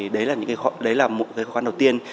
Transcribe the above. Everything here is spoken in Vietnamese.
đấy là một khó khăn đầu tiên